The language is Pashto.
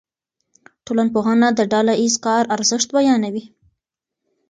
ټولنپوهنه د ډله ایز کار ارزښت بیانوي.